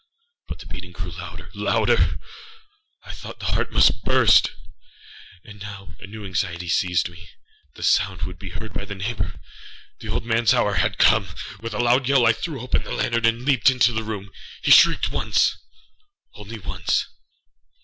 But the beating grew louder, louder! I thought the heart must burst. And now a new anxiety seized meâthe sound would be heard by a neighbour! The old manâs hour had come! With a loud yell, I threw open the lantern and leaped into the room. He shrieked onceâonce only.